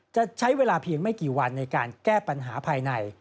จะใช้เวลาเพียงไม่กี่วันในการแก้ปัญหาภายใน